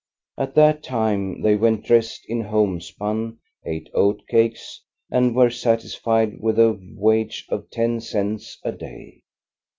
At that time they went dressed in homespun, ate oat cakes, and were satisfied with a wage of ten cents a day.